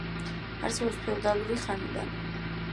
არსებობს ფეოდალური ხანიდან.